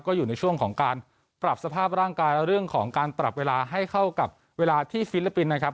ก็อยู่ในช่วงของการปรับสภาพร่างกายและเรื่องของการปรับเวลาให้เข้ากับเวลาที่ฟิลิปปินส์นะครับ